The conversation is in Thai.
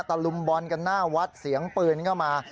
ลุมบอลกันหน้าวัดเสียงปืนก็มา